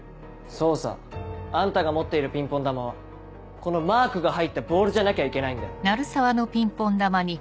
そうさあんたが持っているピンポン球はこのマークが入ったボールじゃなきゃいけないんだ。